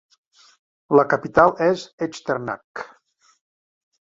La capital és Echternach.